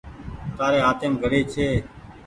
تآري هآتيم گھڙي ڇي۔